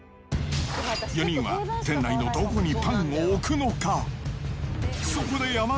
４人は店内のどこにパンを置くのか？